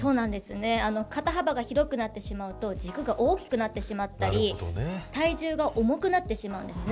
肩幅が広くなってしまうと￥軸が大きくなってしまったり体重が重くなってしまうんですね